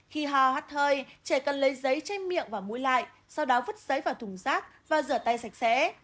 khi hò hắt hơi trẻ cần lấy giấy chay miệng và mũi lại sau đó vứt giấy vào thùng rác và rửa tay sạch sẽ